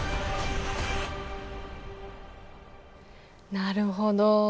なるほど。